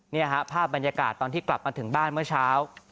นี่ฮะภาพบรรยากาศตอนที่กลับมาถึงบ้านเมื่อเช้า